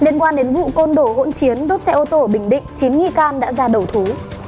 liên quan đến vụ côn đổ hỗn chiến đốt xe ô tô ở bình định chín nghi can đã ra đầu thú